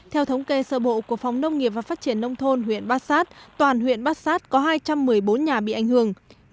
theo thống kê sơ bộ của phòng nông nghiệp và phát triển nông thôn huyện bát sát toàn huyện bát sát có hai trăm một mươi bốn nhà bị ảnh hưởng